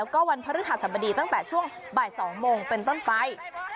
ก็วันพฤหัสบดีตั้งแต่ช่วงบ่าย๒โมงเป็นต้นไป